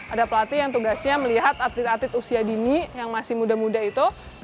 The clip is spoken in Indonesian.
ada pelatih yang tugasnya melihat atlet atlet usia dini yang masih muda muda itu